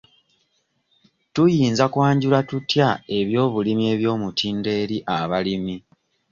Tuyinza kwanjula tutya eby'obulimi eby'omutindo eri abalimi?